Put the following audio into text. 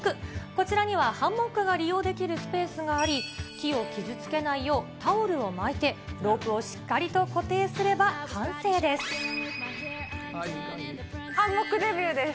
こちらには、ハンモックが利用できるスペースがあり、木を傷つけないよう、タオルを巻いて、ロープをしっかり固定すれば、ハンモックデビューです。